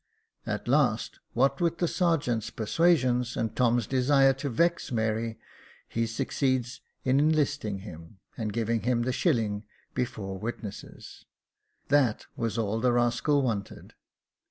At last, what with the sergeant's per suasions, and Tom's desire to vex Mary, he succeeds in 'listing him, and giving him the shilling before witnesses ; that was all the rascal wanted.